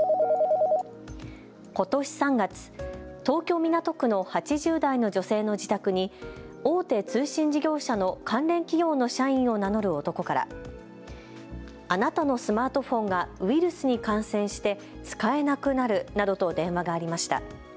ことし３月、東京・港区の８０代の女性の自宅に大手通信事業者の関連企業の社員を名乗る男からあなたのスマートフォンがウイルスに感染して使えなくなるなどと電話がありました。